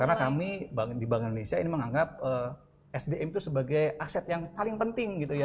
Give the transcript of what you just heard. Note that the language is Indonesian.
karena kami di bank indonesia ini menganggap sdm itu sebagai aset yang paling penting gitu ya